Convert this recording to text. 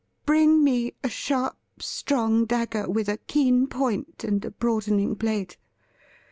Bring me a sharp, strong dagger with a keen point and a broadening blade.